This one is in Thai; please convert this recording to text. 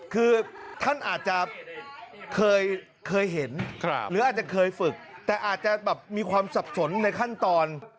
คือท่านอาจจะเคยเห็นหรืออาจจะเคยฝึกแต่อาจจะแบบมีความสับสนในขั้นตอน